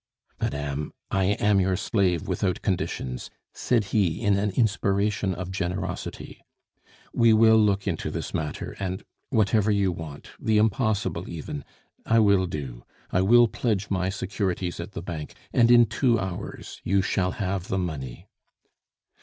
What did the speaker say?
"Madame, I am your slave, without conditions," said he, in an inspiration of generosity. "We will look into this matter and whatever you want the impossible even I will do. I will pledge my securities at the Bank, and in two hours you shall have the money."